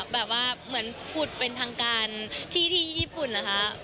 แบบว่าเหมือนผุดเป็นทางการที่ญี่ปุ่นนะคะ